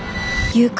「誘拐」。